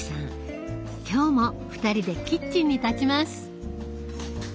今日も２人でキッチンに立ちます。